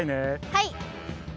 はい！